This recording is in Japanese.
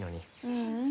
ううん。